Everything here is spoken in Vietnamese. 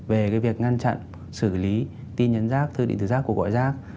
về cái việc ngăn chặn xử lý tin nhắn rác thư định từ rác cuộc gọi rác